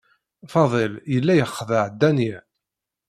Faḍil yella yexdeɛ Danya.